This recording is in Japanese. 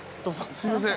すいません。